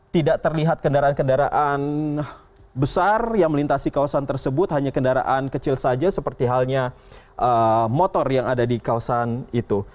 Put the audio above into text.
tidak terlihat kendaraan kendaraan besar yang melintasi kawasan tersebut hanya kendaraan kecil saja seperti halnya motor yang ada di kawasan itu